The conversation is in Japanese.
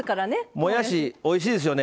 もやし、おいしいですよね。